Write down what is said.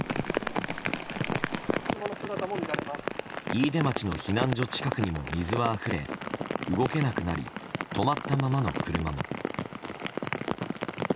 飯豊町の避難所近くにも水はあふれ動けなくなり止まったままの車も。